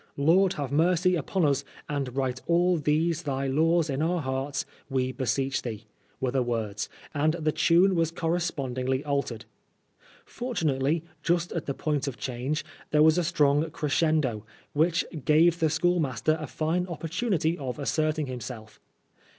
" Lord have mercy upon us, and write all these thy laws in our hearts, we beseech thee," were the words, and the tune was correspondingly altered. Fortunately, just at the point of change, there was a siTong creacendOy which gave the schoolmaster a fine opportunity of asserting himself.